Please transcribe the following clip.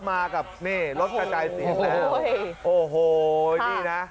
มากับนี่รถกระจายเสียงเลยโอ้โหนี่นะ